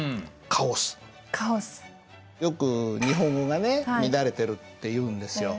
よく日本語がね乱れてるって言うんですよ。